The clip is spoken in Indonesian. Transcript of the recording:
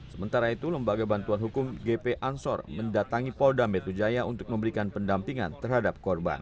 sementara itu lembaga bantuan hukum gp ansor mendatangi polda metro jaya untuk memberikan pendampingan terhadap korban